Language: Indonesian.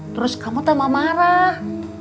terus kamu tambah marah